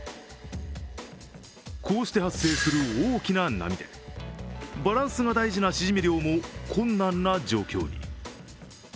こうして発生する大きな波でバランスが大事なしじみ漁も困難な状況に。